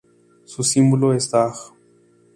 Su símbolo es dag.